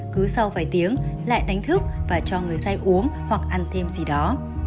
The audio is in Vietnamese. cứ sau vài tiếng lại đánh thức và cho người say uống hoặc ăn thêm gì đó